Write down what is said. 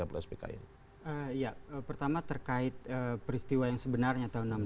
ya pertama terkait peristiwa yang sebenarnya tahun enam puluh lima